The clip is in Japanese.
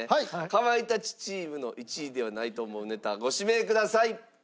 かまいたちチームの１位ではないと思うネタご指名ください。